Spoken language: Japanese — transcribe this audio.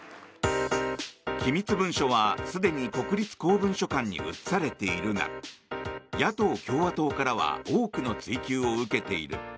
機密文書はすでに国立公文書館に移されているが野党・共和党からは多くの追及を受けている。